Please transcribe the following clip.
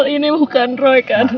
ini bukan roy kan